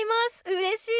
うれしい！